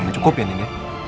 cukup ya din